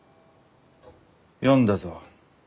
読んだぞ。